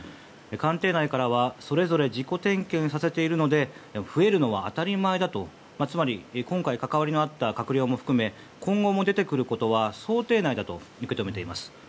官邸内からはそれぞれ自己点検させているので増えるのは当たり前だとつまり今回関わりのあった閣僚も含め今後も出てくることは想定内だと受け止めています。